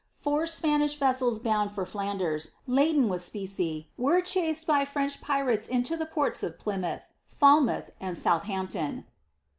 Four Spanish vessels bound to Flanders, laden with specie, were rhaeed by French pirates into the ports of Plymouth, Falmouth, and Southampton.